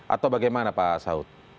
atau bagaimana pak saud